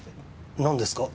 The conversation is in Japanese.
何ですか？